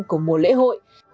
của mùa lễ hội